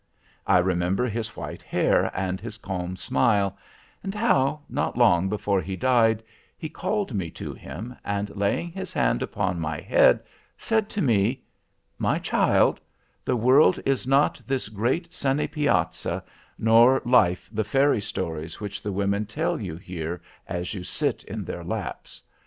I remember his white hair and his calm smile, and how, not long before he died, he called me to him, and laying his hand upon my head, said to me: "My child, the world is not this great sunny piazza, nor life the fairy stories which the women tell you here as you sit in their laps.